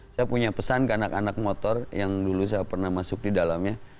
saya punya pesan ke anak anak motor yang dulu saya pernah masuk di dalamnya